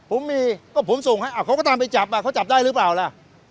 ผมมีก็ผมส่งให้เขาก็ตามไปจับอ่ะเขาจับได้หรือเปล่าล่ะ